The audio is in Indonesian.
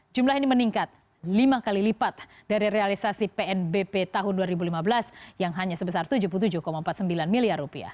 jumlah ini meningkat lima kali lipat dari realisasi pnbp tahun dua ribu lima belas yang hanya sebesar rp tujuh puluh tujuh empat puluh sembilan miliar